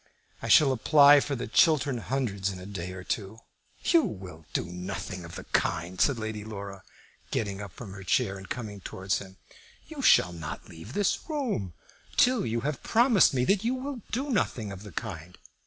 I shall apply for the Chiltern Hundreds in a day or two." "You will do nothing of the kind," said Lady Laura, getting up from her chair and coming towards him. "You shall not leave this room till you have promised me that you will do nothing of the kind.